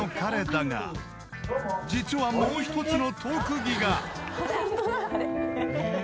［実はもう一つの特技が］